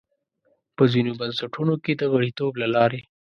په ځینو بنسټونو کې د غړیتوب له لارې.